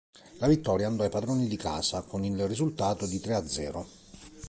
La vittoria andò ai padroni di casa con il risultato di tre a zero.